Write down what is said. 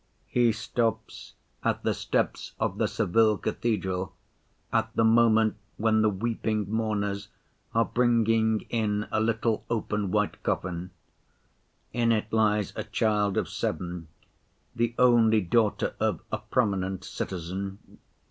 He stops at the steps of the Seville cathedral at the moment when the weeping mourners are bringing in a little open white coffin. In it lies a child of seven, the only daughter of a prominent citizen.